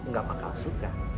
kamu nggak bakal suka